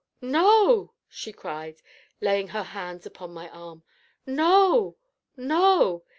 no!" she cried, laying her hands upon my arm, "no! no!